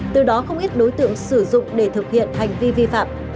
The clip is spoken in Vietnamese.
từ đó không ít đối tượng sử dụng để thực hiện hành vi vi phạm